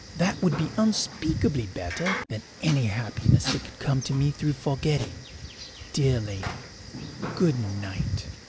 That would be unspeakably better than any happiness that could come to me through forgetting. Dear lady, good night.